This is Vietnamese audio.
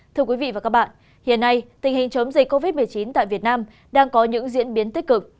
thưa quý vị và các bạn hiện nay tình hình chống dịch covid một mươi chín tại việt nam đang có những diễn biến tích cực